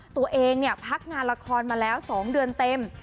ตัวเองพักงานละครมาแล้ว๒เดือนเต็ม